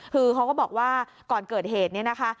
คือเขาก็บอกว่าก่อนเกิดเหตุเนี่ยนะคะ